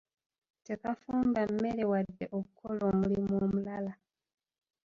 Tekafumba mmere wadde okukola omulimu omulala.